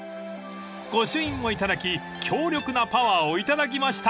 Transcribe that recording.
［御朱印も頂き強力なパワーを頂きました］